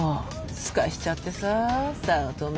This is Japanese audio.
すかしちゃってさ早乙女。